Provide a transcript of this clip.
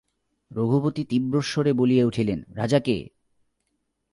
রঘুপতি তীব্রস্বরে বলিয়া উঠিলেন, রাজা কে!